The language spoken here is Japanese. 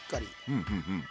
うんうんうん。